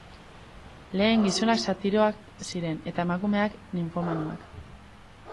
Lehen gizonak satiroak ziren eta emakumeak ninfomanoak.